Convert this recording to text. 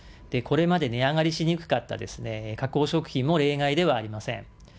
これまで値上がりしにくかったですね、加工食品も例外ではありません。